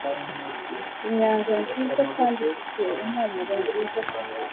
Inyanja nziza kandi ifite impumuro nziza pe